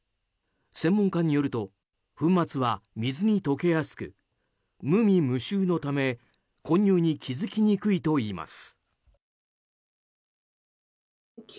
専門家によると粉末は水に溶けやすく無味無臭のため混入に気づきにくいといいます。